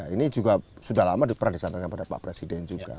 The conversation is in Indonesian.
ini juga sudah lama diperadesakan kepada pak presiden juga